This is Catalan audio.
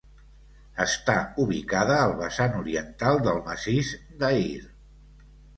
Està ubicada al vessant oriental del massís d'Aïr.